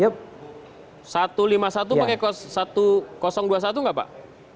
satu ratus lima puluh satu pakai dua puluh satu nggak pak